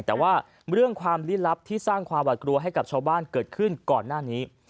แต่ว่าเรื่องความลี้ลับที่สร้างความหวัดกลัวให้กับชาวบ้านเกิดขึ้นก่อนหน้านี้